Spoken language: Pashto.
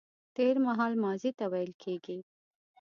تېرمهال ماضي ته ويل کيږي